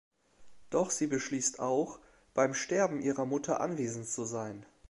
Doch sie beschließt auch, beim Sterben ihrer Mutter anwesend zu sein.